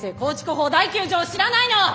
法第９条を知らないの？